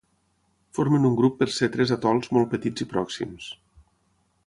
Formen un grup per ser tres atols molt petits i pròxims.